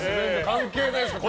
関係ないですから。